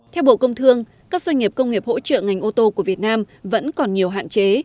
theo bộ công thương các doanh nghiệp công nghiệp hỗ trợ ngành ô tô của việt nam vẫn còn nhiều hạn chế